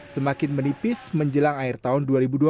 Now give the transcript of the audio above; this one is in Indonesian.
semakin menipis menjelang akhir tahun dua ribu dua puluh